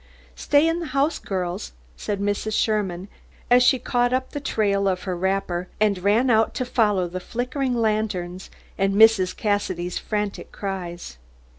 "Stay in the house, girls," said Mrs. Sherman, as she caught up the trail of her wrapper, and ran out to follow the flickering lanterns and Mrs. Cassidy's frantic cries.